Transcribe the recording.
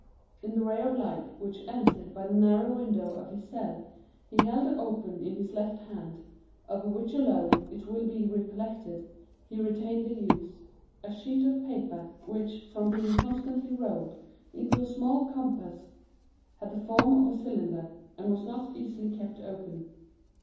In the ray of light which entered by the narrow window of his cell, he held open in his left hand, of which alone, it will be recollected, he retained the use, a sheet of paper, which, from being constantly rolled into a small compass, had the form of a cylinder, and was not easily kept open.